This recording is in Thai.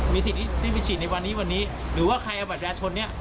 มีที่ที่ไปฉีดในวันนี้วันนี้หรือว่าใครเอาบัตรแบตชนเนี้ย